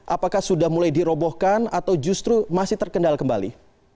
apakah sudah mulai dirobohkan atau justru masih terkendal kembali